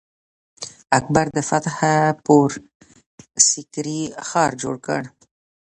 اکبر د فتح پور سیکري ښار جوړ کړ.